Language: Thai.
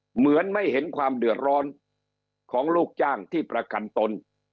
เหมือนไม่เห็นความเดือดร้อนของลูกจ้างที่ประกันตน